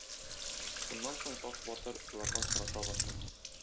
Шуннан соң Таш батыр болардан сораша башлый.